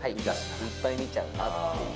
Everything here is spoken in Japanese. いっぱい見ちゃうなっていう。